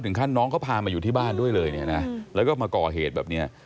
ถึงท่านน้องเขาพามาอยู่ที่บ้านด้วยเลยแล้วก็มาก่อเหตุแบบนี้